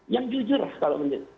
yang jujur lah kalau menurut saya